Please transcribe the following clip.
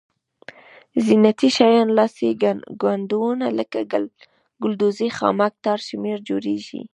زینتي شیان لاسي ګنډونه لکه ګلدوزي خامک تار شمېر جوړیږي.